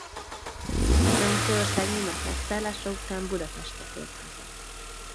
Franciaország német megszállása után Budapestre tért haza.